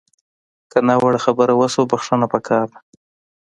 که ناوړه خبره وشوه، بښنه پکار ده